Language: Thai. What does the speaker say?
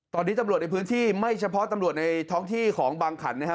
ตอนนี้ตำรวจในพื้นที่ไม่เฉพาะตำรวจในท้องที่ของบางขันนะครับ